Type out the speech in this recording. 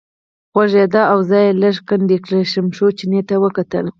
غوږېده او ځای یې لږ کندې کړ، شمشو چیني ته وکتل.